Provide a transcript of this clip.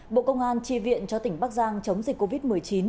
bộ công an tri viện cho tỉnh bắc giang chống dịch covid một mươi chín